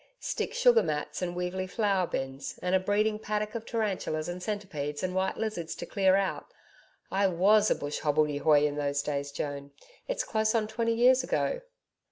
'Stick sugar mats and weevilly four bins; and a breeding paddock of tarantulas and centipedes and white lizards to clear out. I WAS a bush hobbledehoy in those days, Joan. It's close on twenty years ago.'